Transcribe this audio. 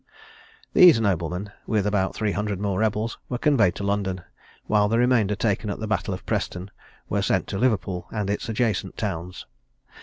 These noblemen, with about three hundred more rebels, were conveyed to London; while the remainder, taken at the battle of Preston, were sent to Liverpool, and its adjacent towns.